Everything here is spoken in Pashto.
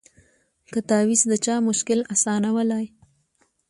که تعویذ د چا مشکل آسانولای